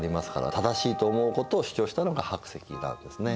正しいと思うことを主張したのが白石なんですね。